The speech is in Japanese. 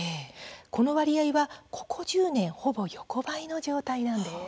この割合はここ１０年ほぼ横ばいの状態なんです。